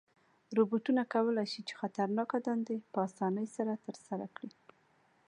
روبوټونه کولی شي چې خطرناکه دندې په آسانۍ سره ترسره کړي.